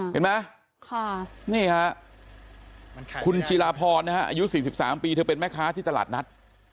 เห็นไหมคุณชิลาพรอายุ๔๓ปีเธอเป็นแม่ค้าที่ตลาดนัด